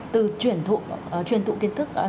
từ chuyển thụ kiến thức